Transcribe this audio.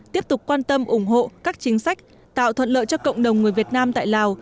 tiếp tục quan tâm ủng hộ các chính sách tạo thuận lợi cho cộng đồng người việt nam tại lào